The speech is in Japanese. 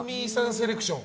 セレクション。